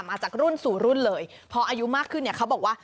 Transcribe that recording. มาจากรุ่นสู่รุ่นเลยพออายุมากขึ้นเนี่ยเขาบอกว่า